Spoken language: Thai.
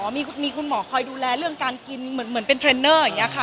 มีคุณหมอดูแลการกินเหมือนเป็นเทรนเนอร์